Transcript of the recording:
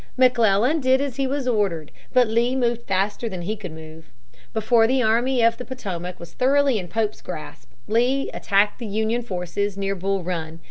McClellan did as he was ordered. But Lee moved faster than he could move. Before the Army of the Potomac was thoroughly in Pope's grasp, Lee attacked the Union forces near Bull Run.